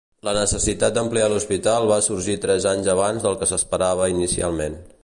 La necessitat d'ampliar l'hospital va sorgir tres anys abans del que s'esperava inicialment.